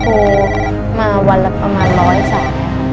โอ้มาวันละประมาณร้อยสัก